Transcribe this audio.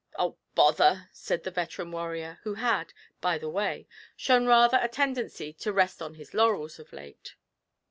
'Oh, bother!' said the veteran warrior, who had, by the way, shown rather a tendency to rest on his laurels of late.